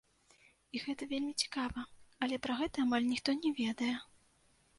І гэта вельмі цікава, але пра гэта амаль ніхто не ведае.